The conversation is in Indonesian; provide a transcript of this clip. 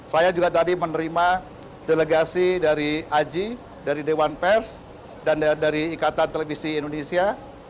saya juga tadi menerima delegasi dari aji dari dewan pers dan dari ikatan televisi indonesia